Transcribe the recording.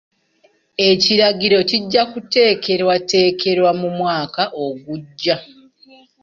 Ekiragiro kijja kuteekerwateekerwa mu mwaka ogujja.